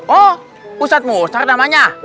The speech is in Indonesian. oh ustadz mustar namanya